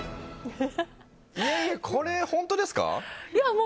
これ、本当ですか？